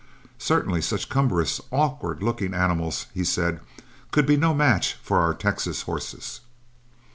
Certainly such cumbrous, awkward looking animals, he said, could be no match for our Texas horses.